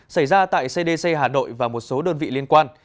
xảy ra tại cdc hà nội và một số đơn vị liên quan